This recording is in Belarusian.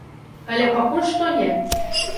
Але пакуль што не.